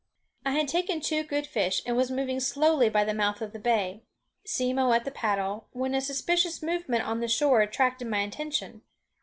I had taken two good fish, and was moving slowly by the mouth of the bay, Simmo at the paddle, when a suspicious movement on the shore attracted my attention.